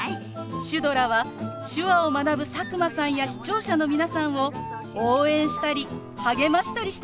シュドラは手話を学ぶ佐久間さんや視聴者の皆さんを応援したり励ましたりしてくれるんですよ。